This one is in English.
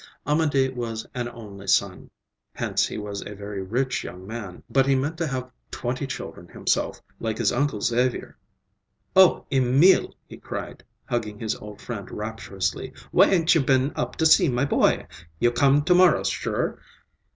Amédée was an only son,—hence he was a very rich young man,—but he meant to have twenty children himself, like his uncle Xavier. "Oh, Emil," he cried, hugging his old friend rapturously, "why ain't you been up to see my boy? You come to morrow, sure?